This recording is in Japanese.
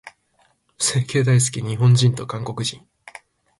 整形大好き、日本人と韓国人。